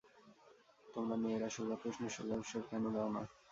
তোমরা মেয়েরা, সোজা প্রশ্নের সোজা উত্তর কেন দেও না?